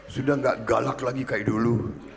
sudah gak galak lagi kayak dulu